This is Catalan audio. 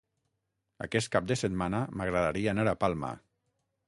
Aquest cap de setmana m'agradaria anar a Palma.